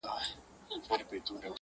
پر وطن باندي موږ تېر تر سر او تن یو٫